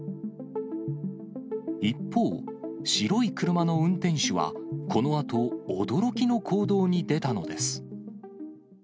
一方、白い車の運転手は、このあと、驚きの行動に出たのです。